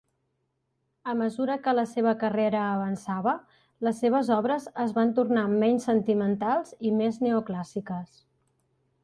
A mesura que la seva carrera avançava, les seves obres es van tornar menys sentimentals i més neoclàssiques.